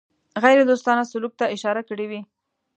غیردوستانه سلوک ته اشاره کړې وه.